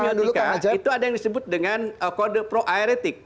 di dalam semiotika itu ada yang disebut dengan kode pro aeretic